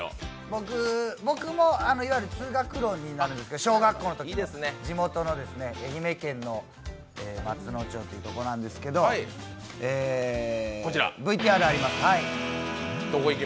僕も通学路になるんですけど、小学校のときの地元の愛媛県の松野町というところなんですけど、ＶＴＲあります。